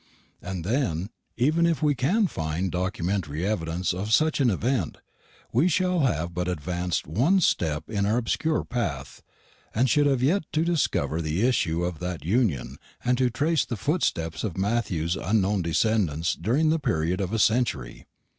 And then, even if we can find documentary evidence of such an event, we shall have but advanced one step in our obscure path, and should have yet to discover the issue of that union, and to trace the footsteps of Matthew's unknown descendants during the period of a century.